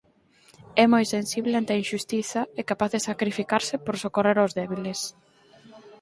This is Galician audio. É moi sensible ante a inxustiza e capaz de sacrificarse por socorrer aos débiles.